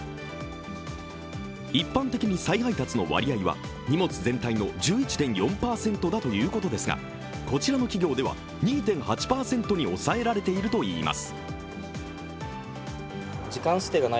一般的に再配達の割合は荷物全体の１１．４％だということですがこちらの企業では２．８％に抑えられているといいます。